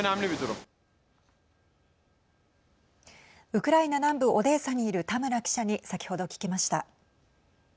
ウクライナ南部オデーサにいる田村記者に先ほど聞きました。